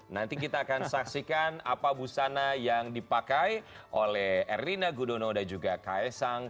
nanti kita akan saksikan apa busana yang dipakai oleh erina gudono dan juga ks sang